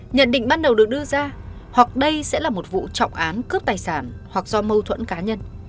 nhận định ban đầu được đưa ra hoặc đây sẽ là một vụ trọng án cướp tài sản hoặc do mâu thuẫn cá nhân